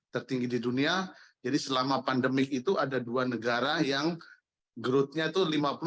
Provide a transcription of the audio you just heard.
tertinggi di dunia jadi selama pandemik itu ada dua negara yang growth nya itu lima puluh enam puluh